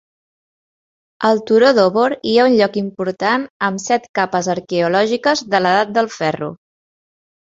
Al turó Dobor hi ha un lloc important amb set capes arqueològiques de l'edat del ferro.